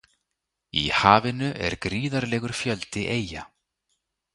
Í hafinu er gríðarlegur fjöldi eyja.